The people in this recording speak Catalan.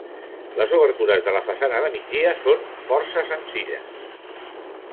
Les obertures de la façana de migdia són força senzilles.